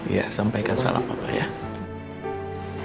iya sampaikan salam pak